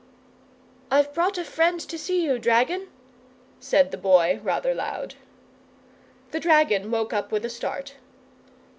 "I've brought a friend to see you, dragon," said the Boy, rather loud. The dragon woke up with a start.